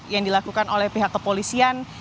yang dilakukan oleh pihak kepolisian